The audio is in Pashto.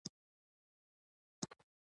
علم او پوهه د ملتونو د روښانه راتلونکي ضامن دی.